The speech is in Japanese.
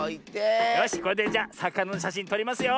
よしこれでじゃさかなのしゃしんとりますよ。